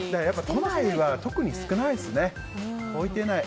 都内は特に少ないですね。